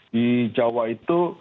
di jawa itu